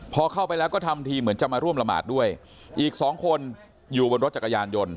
พอเข้าไปแล้วก็ทำทีเหมือนจะมาร่วมละหมาดด้วยอีกสองคนอยู่บนรถจักรยานยนต